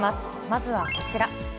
まずはこちら。